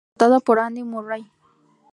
Allí fue derrotado por Andy Murray.